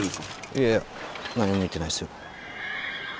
いやいや何も見てないっすよ。